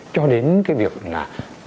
cho đến cái việc là